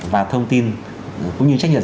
và thông tin cũng như trách nhiệm